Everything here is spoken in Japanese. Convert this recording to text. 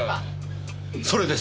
それです！